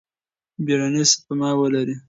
بیړنۍ سپما ولرئ.